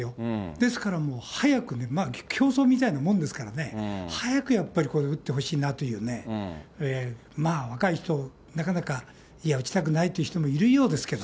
ですからもう、早くね、競走みたいなもんですからね、早くやっぱりこれ打ってほしいなというね、若い人、なかなか、いや、打ちたくないって人もいるようですけれども。